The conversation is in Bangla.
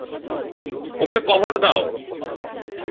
ওকে কভার দাও!